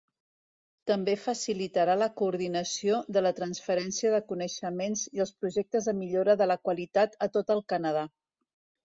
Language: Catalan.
També facilitarà la coordinació de la transferència de coneixements i els projectes de millora de la qualitat a tot el Canadà.